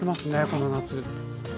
この夏。